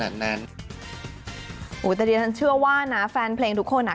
ขนาดนั้นแต่เดี๋ยวฉันเชื่อว่านะแฟนเพลงทุกคนอ่ะ